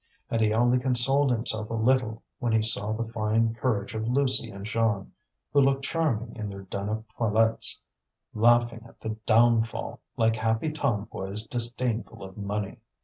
And he only consoled himself a little when he saw the fine courage of Lucie and Jeanne, who looked charming in their done up toilettes, laughing at the downfall, like happy tomboys disdainful of money.